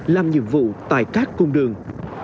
làm nhiệm vụ tại các cung đường